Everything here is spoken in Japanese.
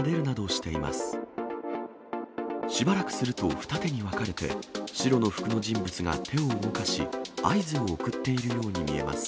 しばらくすると二手に分かれて、白の服の人物が手を動かし、合図を送っているように見えます。